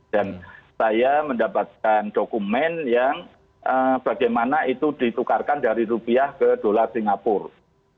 dan saya mendapatkan dokumen yang bagaimana itu ditukarkan dari rupiah ke dolar singapura